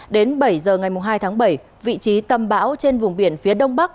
đến bảy giờ ngày hai tháng bảy vị trí tâm bão trên vùng biển phía đông bắc